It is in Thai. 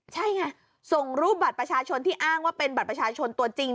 ใช่ไงส่งรูปบัตรประชาชนที่อ้างว่าเป็นบัตรประชาชนตัวจริง